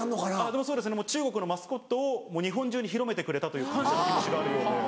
でもそうですね中国のマスコットを日本中に広めてくれたという感謝の気持ちがあるようで。